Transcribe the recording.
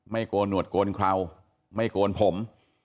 โกนหนวดโกนเคราไม่โกนผม